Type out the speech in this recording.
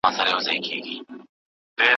باید د سر درد په وخت کې لومړی د اوبو مقدار وڅېړو.